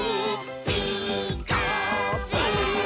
「ピーカーブ！」